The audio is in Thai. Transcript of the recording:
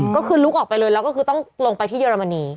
ก็คือลุกออกไปเลยแล้วก็คือต้องลงไปที่เยอรมนี